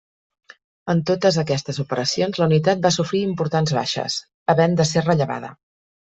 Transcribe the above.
En totes aquestes operacions la unitat va sofrir importants baixes, havent de ser rellevada.